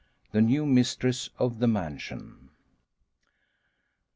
THE NEW MISTRESS OF THE MANSION.